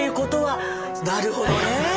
なるほどね。